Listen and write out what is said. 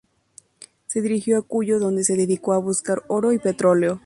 Se dirigió a Cuyo, donde se dedicó a buscar oro y petróleo.